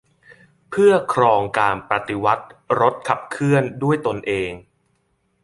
เพื่อครองการปฏิวัติรถขับเคลื่อนด้วยตนเอง